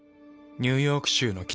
ニューヨーク州の北。